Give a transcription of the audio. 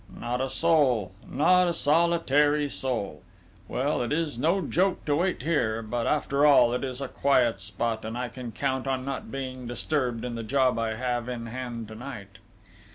"Not a soul! Not a solitary soul! Well, it is no joke to wait here; but, after all, it is a quiet spot, and I can count on not being disturbed in the job I have in hand to night...."